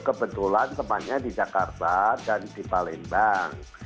kebetulan temannya di jakarta dan di palembang